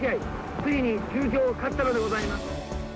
ついに中京勝ったのでございます。